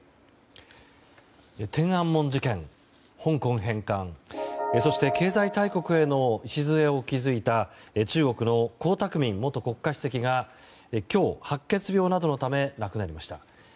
天安門事件、香港返還そして、経済大国への礎を築いた中国の江沢民元国家主席が今日、白血病などのため亡くなりました。